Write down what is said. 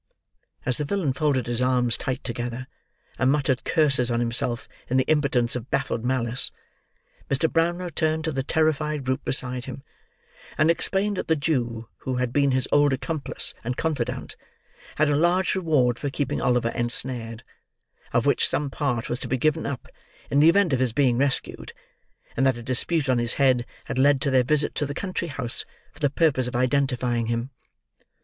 As the villain folded his arms tight together, and muttered curses on himself in the impotence of baffled malice, Mr. Brownlow turned to the terrified group beside him, and explained that the Jew, who had been his old accomplice and confidant, had a large reward for keeping Oliver ensnared: of which some part was to be given up, in the event of his being rescued: and that a dispute on this head had led to their visit to the country house for the purpose of identifying him.